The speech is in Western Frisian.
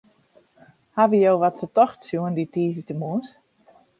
Hawwe jo wat fertochts sjoen dy tiisdeitemoarns?